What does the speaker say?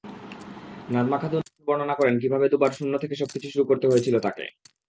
নাজমা খাতুন বর্ণনা করেন কীভাবে দুবার শূন্য থেকে সবকিছু শুরু করতে হয়েছিল তাঁকে।